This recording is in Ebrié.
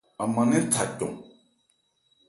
An man nɛ́n tha cɔn.